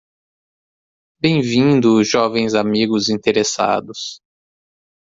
Bem-vindo jovens amigos interessados